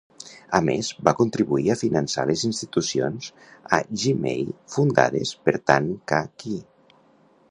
A més, va contribuir a finançar les institucions a Jimei fundades per Tan Kah Kee.